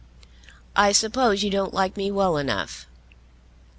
"I suppose you don't like me well enough?"